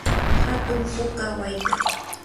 hantu puka wayta.